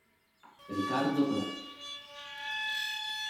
Ricardo Glenn